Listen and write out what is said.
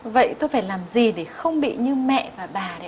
vậy tôi phải làm gì để không bị như mẹ và bà